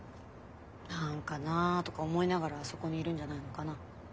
何かなとか思いながらあそこにいるんじゃないのかな。